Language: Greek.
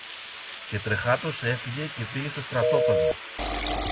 Και τρεχάτος έφυγε και πήγε στο στρατόπεδο.